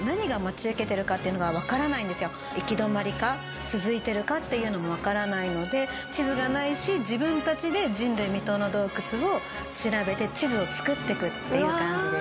行き止まりか続いてるかっていうのもわからないので地図がないし自分たちで人類未踏の洞窟を調べて地図を作っていくっていう感じです。